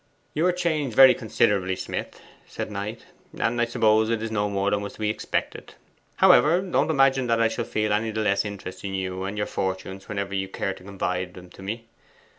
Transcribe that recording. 'You are changed very considerably, Smith,' said Knight, 'and I suppose it is no more than was to be expected. However, don't imagine that I shall feel any the less interest in you and your fortunes whenever you care to confide them to me.